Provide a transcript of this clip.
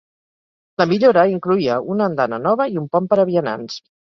La millora incloïa una andana nova i un pont per a vianants.